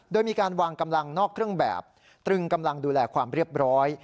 โดยมีการวางกำลังนอกเครื่องแบบตรึงกำลังดูแลความเรียบร้อย